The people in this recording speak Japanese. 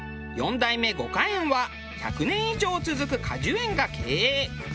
五果苑は１００年以上続く果樹園が経営。